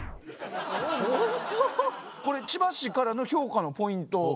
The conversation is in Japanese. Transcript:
これ千葉市からの評価のポイント。